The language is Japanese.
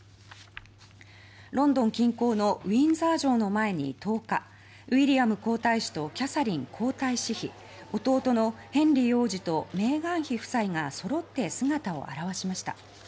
ロンドン近郊のウィンザー城の前に１０日ウィリアム皇太子とキャサリン皇太子妃弟のヘンリー王子とメーガン妃夫妻がそろって姿を表しました。